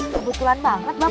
kebetulan banget bapak